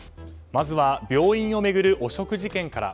まずは病院を巡る汚職事件から。